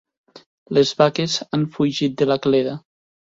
Les vaques han fugit de la cleda.